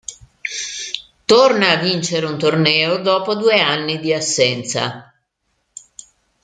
Torna a vincere un torneo dopo due anni di assenza.